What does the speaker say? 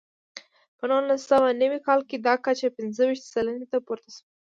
په نولس سوه نوي کال کې دا کچه پنځه ویشت سلنې ته پورته شوه.